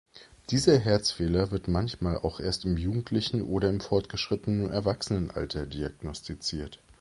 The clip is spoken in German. Dieser Herzfehler wird manchmal auch erst im Jugendlichen- oder im fortgeschrittenen Erwachsenenalter diagnostiziert.